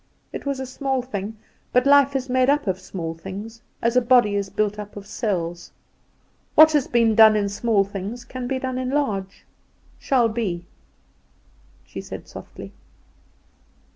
It was a small thing; but life is made up of small things, as a body is built up of cells. What has been done in small things can be done in large. Shall be," she said softly.